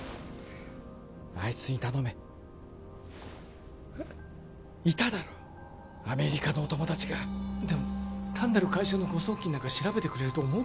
あいつに頼めえっいただろアメリカのお友達がでも単なる会社の誤送金なんか調べてくれると思うか？